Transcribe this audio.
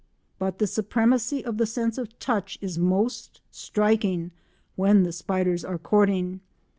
But the supremacy of the sense of touch is most striking when the spiders are courting.